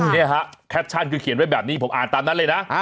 นี่ฮะแคปชั่นคือเขียนไว้แบบนี้ผมอ่านตามนั้นเลยนะ